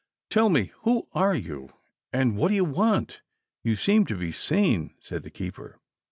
"Tell me, who are you, and what do you want^? You seem to be sane," said the keeper.